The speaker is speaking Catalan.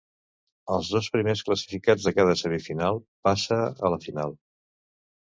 Els dos primers classificats de cada semifinal passa a la final.